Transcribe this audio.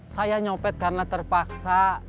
saya nyopet karena terpaksa